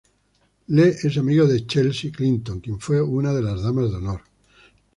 Lee es amigo de Chelsea Clinton quien fue una de las damas de honor.